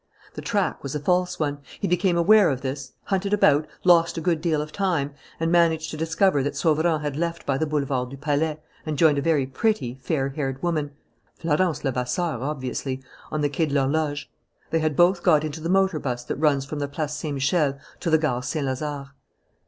The track was a false one. He became aware of this, hunted about, lost a good deal of time, and managed to discover that Sauverand had left by the Boulevard du Palais and joined a very pretty, fair haired woman Florence Levasseur, obviously on the Quai de l'Horloge. They had both got into the motor bus that runs from the Place Saint Michel to the Gare Saint Lazare.